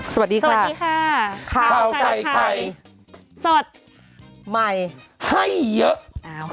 สวัสดีค่ะสวัสดีค่ะข้าวใส่ไข่สดใหม่ให้เยอะ